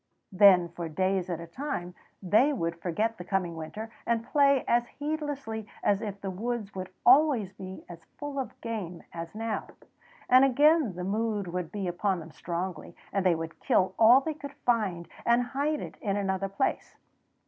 Then for days at a time they would forget the coming winter, and play as heedlessly as if the woods would always be as full of game as now; and again the mood would be upon them strongly, and they would kill all they could find and hide it in another place.